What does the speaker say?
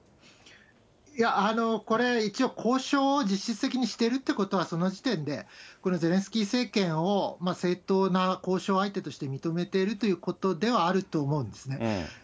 いや、これ、一応、交渉を実質的にしてるってことは、その時点でこのゼレンスキー政権を、正当な交渉相手として認めてるということではあると思うんですね。